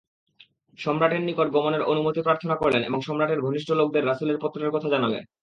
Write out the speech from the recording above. সম্রাটের নিকট গমনের অনুমতি প্রার্থনা করলেন এবং সম্রাটের ঘনিষ্ঠ লোকদের রাসূলের পত্রের কথা জানালেন।